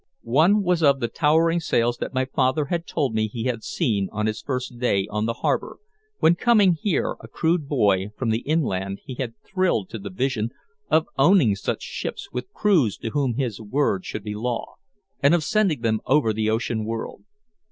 One was of the towering sails that my father had told me he had seen on his first day on the harbor, when coming here a crude boy from the inland he had thrilled to the vision of owning such ships with crews to whom his word should be law, and of sending them over the ocean world.